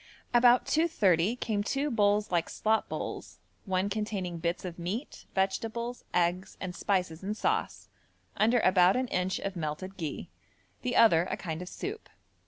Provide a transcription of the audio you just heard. About 2.30 came two bowls like slop bowls, one containing bits of meat, vegetables, eggs and spices in sauce, under about an inch of melted ghi, the other a kind of soup.